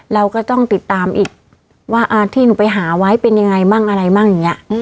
เราก็ต้องติดตามอีกว่าที่หนูไปหาไว้เป็นยังไงมั่งอะไรมั่งอย่างนี้